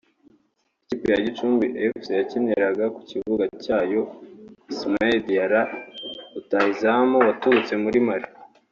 Ikipe ya Gicumbi Fc yakiniraga ku kibuga cyayo Ismaila Diarra rutahizamu waturutse muri Mali